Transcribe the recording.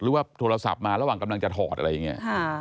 หรือว่าโทรศัพท์มาระหว่างกำลังจะถอดอะไรอย่างนี้